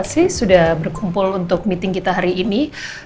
makasih sudah berkumpul untuk meeting kita hari ini